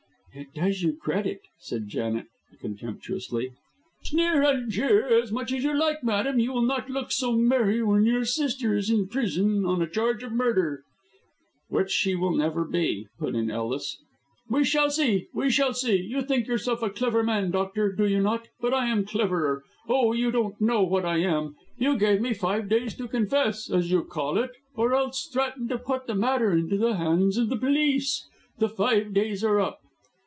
"It does you credit," said Janet, contemptuously. "Sneer and jeer as much as you like, madam, you will not look so merry when your sister is in prison on a charge of murder." "Which she never will be," put in Ellis. "We shall see, we shall see. You think yourself a clever man, doctor, do you not? But I am cleverer. Oh, you don't know what I am. You gave me five days to confess, as you call it, or else threatened to put the matter into the hands of the police. The five days are up."